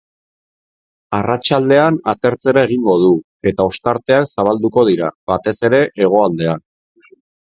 Arratsaldean atertzera egingo du, eta ostarteak zabalduko dira, batez ere hegoaldean.